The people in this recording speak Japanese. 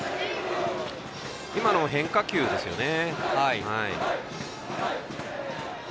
今のも変化球ですね。